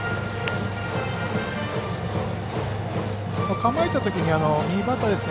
構えたときに右バッターですね